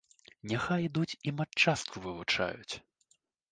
Няхай ідуць і матчастку вывучаюць.